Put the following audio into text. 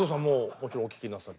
もちろんお聴きになって。